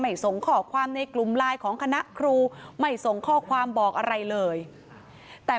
ส่งข้อความในกลุ่มไลน์ของคณะครูไม่ส่งข้อความบอกอะไรเลยแต่